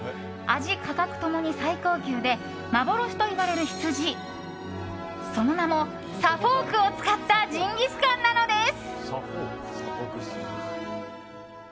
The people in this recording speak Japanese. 味、価格と共に最高級で幻といわれる羊その名もサフォークを使ったジンギスカンなのです。